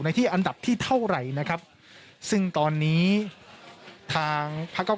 ที่อันดับที่เท่าไหร่นะครับซึ่งตอนนี้ทางพักเก้า